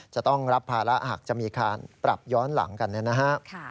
จะต้องรับภาระหากจะมีการปรับย้อนหลังกันเนี่ยนะฮะ